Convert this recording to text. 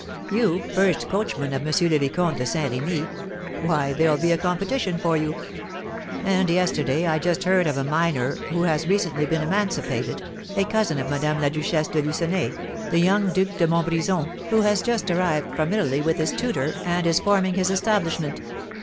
You, first coachman of M. le Vicomte de Saint Remy, why, there'll be a competition for you. And yesterday I just heard of a minor who has recently been emancipated, a cousin of Madame la Duchesse de Lucenay, the young Duc de Montbrison, who has just arrived from Italy with his tutor, and is forming his establishment.